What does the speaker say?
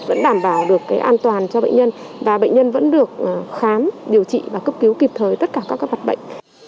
vẫn đảm bảo được an toàn cho bệnh nhân và bệnh nhân vẫn được khám điều trị và cấp cứu kịp thời tất cả các mặt bệnh